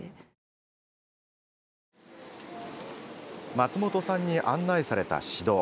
松本さんに案内された市道。